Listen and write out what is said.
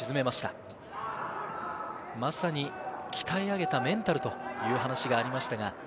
まさに鍛え上げたメンタルという話がありました。